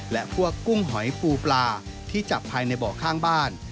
และพวกกุ้งหอยปูปลาที่จับภายในบ่อข้างบ้าน